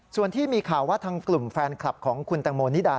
ส่วนที่มีข่าวว่าทางกลุ่มแฟนคลับของคุณแตงโมนิดา